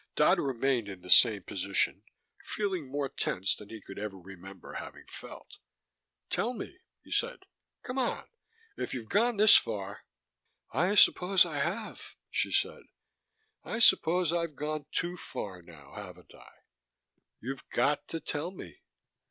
Dodd remained in the same position, feeling more tense than he could ever remember having felt. "Tell me," he said. "Come on. If you've gone this far " "I suppose I have," she said. "I suppose I've gone too far now, haven't I?" "You've got to tell me."